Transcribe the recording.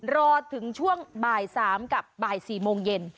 รอถึงช่วงบ่าย๓กับบ่าย๔โมงเย็น